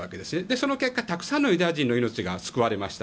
その結果、たくさんのユダヤ人が救われました。